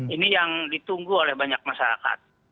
ini yang ditunggu oleh banyak masyarakat